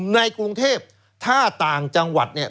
ในกรุงเทพถ้าต่างจังหวัดเนี่ย